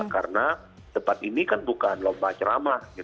karena tempat ini kan bukan lomba ceramah